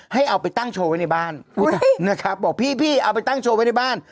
ให้เอาไปตั้งโชว์ไว้ในบ้านนะครับบอกพี่พี่เอาไปตั้งโชว์ไว้ในบ้าน